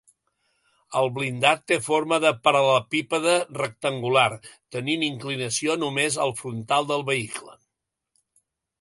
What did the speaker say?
El blindat té forma de paral·lelepípede rectangular, tenint inclinació només al frontal del vehicle.